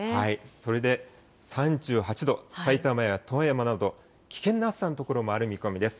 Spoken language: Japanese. それで３８度、さいたまや富山など、危険な暑さの所もある見込みです。